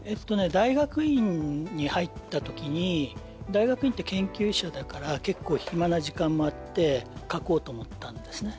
大学院に入ったときに大学院って研究者だから結構暇な時間もあって書こうと思ったんですね。